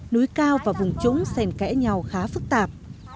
núi cao và vùng trúng sèn kẽ nhau khá phức tạp